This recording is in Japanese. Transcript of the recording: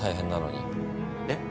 ・えっ？